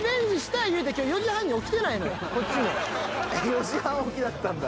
４時半起きだったんだ？